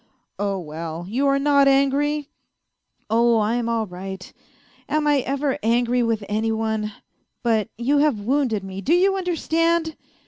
" Oh, well, you are not angry ?"" Oh, I'm all right ; am I ever angry with any one ! But you have wounded me, do you understand